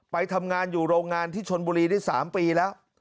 ไปทำงานอยู่โรงงานที่ชนบุรีได้๓ปีแล้ว